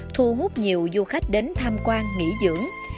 thu hút nhiều du khách đến tham quan nghỉ dưỡng